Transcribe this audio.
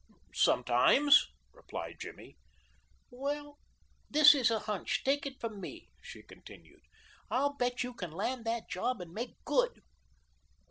"Sometimes," replied Jimmy. "Well, this is a hunch, take it from me," she continued. "I'll bet you can land that job and make good."